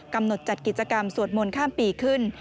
จัดกิจกรรมสวดมนต์ข้ามปีขึ้น